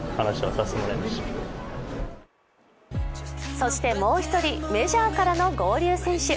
そしてもう一人メジャーからの合流選手。